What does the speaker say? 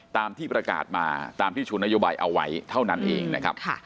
ตามที่ประกาศมาตามที่ชูนโยบายเอาไว้เท่านั้นเองนะครับ